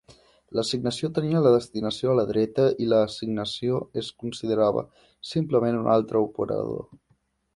L'assignació tenia la destinació a la dreta i l'assignació es considerava simplement un altre operador.